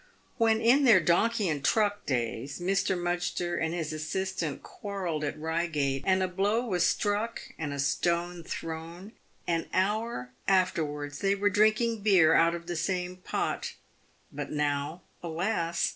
When in their donkey and truck days Mr. Mudgster and his assistant quarrelled at Beigate, and a blow was struck and a stone thrown, an hour after wards they were drinking beer out of the same pot ; but now, alas